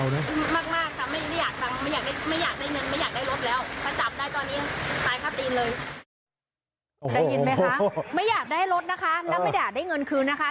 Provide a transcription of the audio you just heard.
ได้ยินไหมคะไม่อยากได้รถนะคะแล้วไม่อยากได้เงินคืนนะคะ